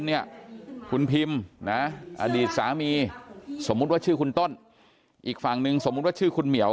เนี่ยคุณพิมป์ผมสมมติว่าชื่อคุณต้นอีกฝั่งนึงชื่อคุณเหมียว